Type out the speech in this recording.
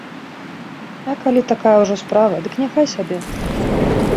А калі такая ўжо справа, дык няхай сабе!